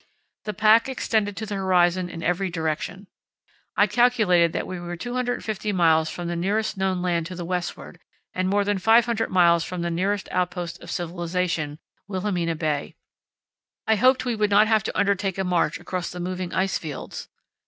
The pack extended to the horizon in every direction. I calculated that we were 250 miles from the nearest known land to the westward, and more than 500 miles from the nearest outpost of civilization, Wilhelmina Bay. I hoped we would not have to undertake a march across the moving ice fields.